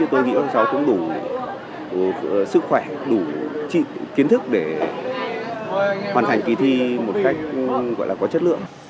tôi nghĩ các cháu cũng đủ sức khỏe đủ kiến thức để hoàn thành kỳ thi một cách gọi là có chất lượng